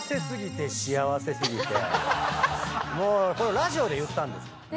これラジオで言ったんです。